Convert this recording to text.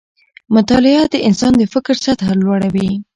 مطالعه د انسان د فکر سطحه لوړه وي